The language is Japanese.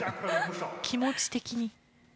気持ち的に。